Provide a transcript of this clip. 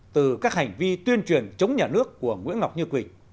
từ các hành vi tuyên truyền chống nhà nước của nguyễn ngọc như quỳnh